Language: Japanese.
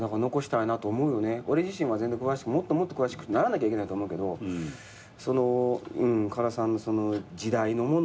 俺自身は全然詳しくもっともっと詳しくならなきゃいけないと思うけど唐さんの時代のものが。